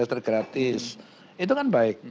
tergratis itu kan baik